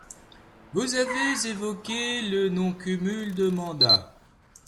Vous avez évoqué le non-cumul de mandats.